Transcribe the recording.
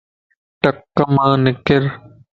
ٽکَ مَ نارَ